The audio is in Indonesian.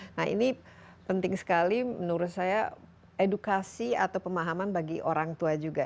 nah ini penting sekali menurut saya edukasi atau pemahaman bagi orang tua juga